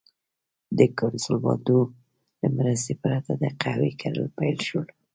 د کنسولاډو له مرستې پرته د قهوې کرل پیل شول.